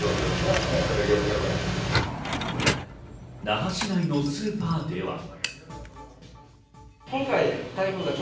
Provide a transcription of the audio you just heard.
那覇市内のスーパーでは。